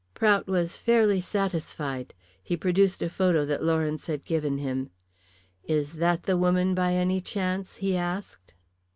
Prout was fairly satisfied. He produced a photo that Lawrence had given him. "Is that the woman by any chance?" he asked.